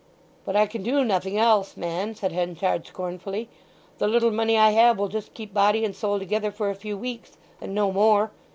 "But I can do nothing else, man!" said Henchard scornfully. "The little money I have will just keep body and soul together for a few weeks, and no more.